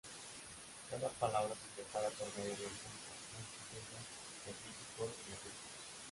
Cada palabra se separa por medio de un punto, no existiendo diacríticos ni acentos.